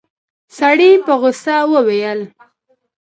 سړي په غوسه وويل.